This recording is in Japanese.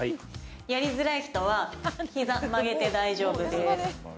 やりづらい人は膝を曲げて大丈夫です。